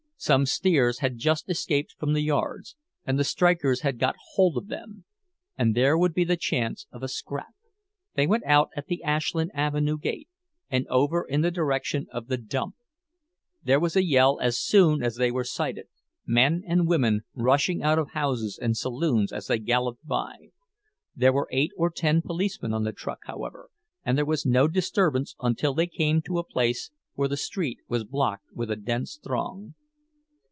Some steers had just escaped from the yards, and the strikers had got hold of them, and there would be the chance of a scrap! They went out at the Ashland Avenue gate, and over in the direction of the "dump." There was a yell as soon as they were sighted, men and women rushing out of houses and saloons as they galloped by. There were eight or ten policemen on the truck, however, and there was no disturbance until they came to a place where the street was blocked with a dense throng.